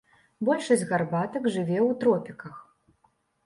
Большасць гарбатак жыве ў тропіках.